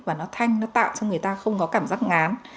và nó thanh nó tạo cho người ta không có cảm giác ngán